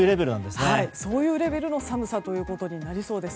そういうレベルの寒さとなりそうです。